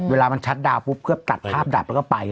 เวลามันชัดดาวนปุ๊บเพื่อตัดภาพดับแล้วก็ไป